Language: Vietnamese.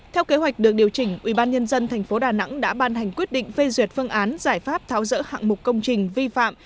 theo kế hoạch được điều chỉnh ubnd tp đà nẵng đã ban hành quyết định phê duyệt phương án giải pháp tháo rỡ hạng mục công trình vi phạm